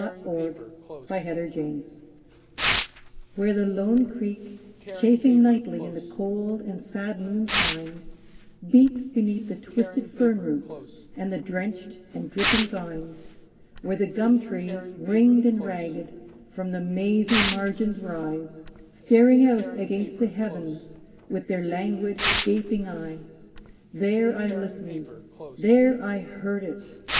The Wail in the Native Oak Where the lone creek, chafing nightly in the cold and sad moonshine, Beats beneath the twisted fern roots and the drenched and dripping vine; Where the gum trees, ringed and ragged, from the mazy margins rise, Staring out against the heavens with their languid gaping eyes; There I listened there I heard it!